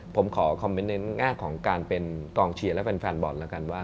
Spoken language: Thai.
ผมขอคอมเมนต์ในแง่ของการเป็นกองเชียร์และแฟนบอลแล้วกันว่า